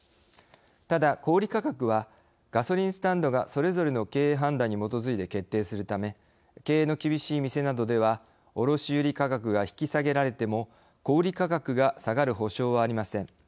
ただ小売価格はガソリンスタンドが、それぞれの経営判断に基づいて決定するため経営の厳しい店などでは卸売価格が引き下げられても小売価格が下がる保証はありません。